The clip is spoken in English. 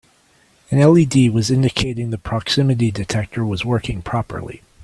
An LED was indicating the proximity detector was working properly.